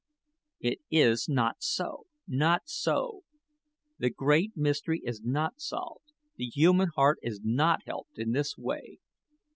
It is not so not so. The great mystery is not solved the human heart is not helped in this way.